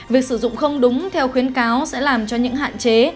việc sử dụng không đúng theo khuyến cáo sẽ làm cho những hạn chế